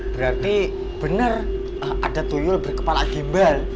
berarti benar ada tuyul berkepala gimbal